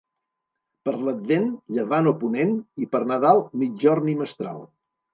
Per l'Advent, llevant o ponent, i per Nadal, migjorn i mestral.